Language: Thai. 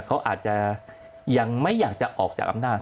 เขาอาจจะยังไม่อยากจะออกจากอำนาจ